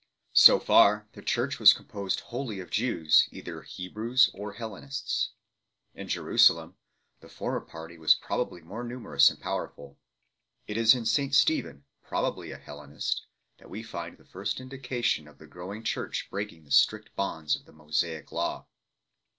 Q nurc h ^aS gQmposed wholly of Jews, either Hebrews or HellenistsT In Jenisalem, the jormer party was~probably more jiumerous _and powerful. It is in St Stephen, probably a Hellenist, that we find the first indication of the growing church breaking the strict bonds of the Mosaic Law.